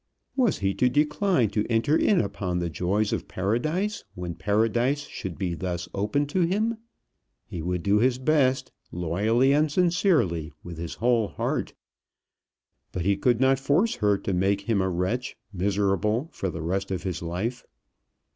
Was he to decline to enter in upon the joys of Paradise when Paradise should be thus opened to him? He would do his best, loyally and sincerely, with his whole heart. But he could not force her to make him a wretch, miserable for the rest of his life!